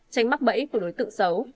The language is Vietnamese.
tránh mắc bẫy của đối tượng xấu